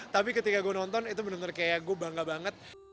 tapi ketika gue nonton itu bener bener kayak gue bangga banget